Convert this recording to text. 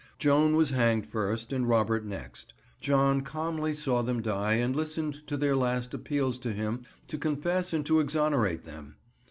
Joan was hanged first, and Robert next. John calmly saw them die and listened to their last appeals to him to confess and to exonerate them.